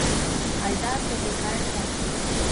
Айда ынде те кайыза.